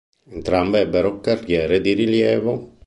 Entrambe ebbero carriere di rilievo.